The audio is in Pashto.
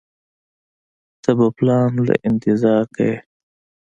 ته به پلان له انتظار کيې.